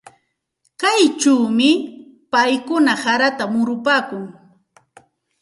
Kaychawmi paykuna harata murupaakun.